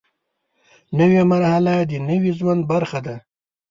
نوې مرحله د نوي ژوند برخه ده